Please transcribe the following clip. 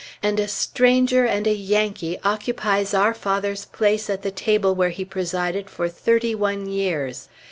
And a stranger and a Yankee occupies our father's place at the table where he presided for thirty one years....